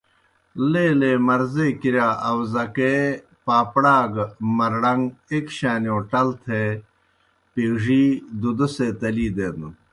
لیلے مرضے کِرِیا آؤزکے، پاپڑا گہ مرڑن٘گ ایْک شانِیؤ ٹل تھےپیڙِی دُدہ سے تلی دینَن۔